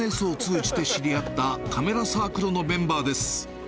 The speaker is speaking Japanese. ＳＮＳを通じて知り合ったカメラサークルのメンバーです。